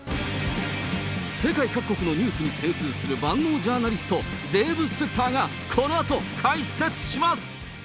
世界各国のニュースに精通する、万能ジャーナリスト、デーブ・スペクターがこのあと解説します。